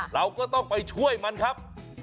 เราก็ต้องไปช่วยมันครับ